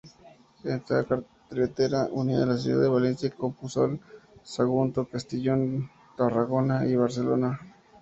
Esta carretera unía la ciudad de Valencia con Puzol, Sagunto, Castellón, Tarragona y Barcelona.